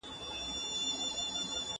د وږي سترگي په دېگدان کي وي.